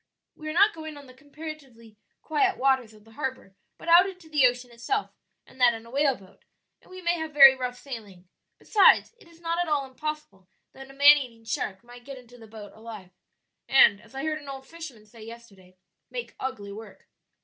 We are not going on the comparatively quiet waters of the harbor, but out into the ocean itself, and that in a whaleboat, and we may have very rough sailing; besides, it is not at all impossible that a man eating shark might get into the boat alive, and, as I heard an old fisherman say yesterday, 'make ugly work.'"